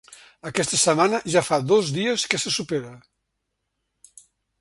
Aquesta setmana ja fa dos dies que se supera.